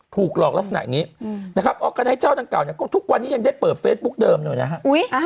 ถูกหลอกลักษณะอย่างนี้นะครับออร์กาไนท์เจ้าดังกล่าเนี่ยก็ทุกวันนี้ยังได้เปิดเฟซบุ๊กเดิมเลยนะฮะ